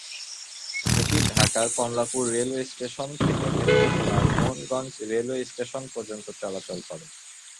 এটি ঢাকার Kamalapur railway station থেকে নেত্রকোণার মোহনগঞ্জ রেলওয়ে স্টেশন পর্যন্ত চলাচল করে।